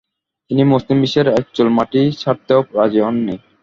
তিনি মুসলিম বিশ্বের একচুল মাটি ছাড়তেও রাজি হননি।